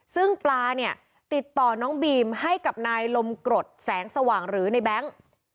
ซึ่งปลาเนี่ยติดต่อน้องบีมให้กับนายลมกรดแสงสว่างหรือในแบงค์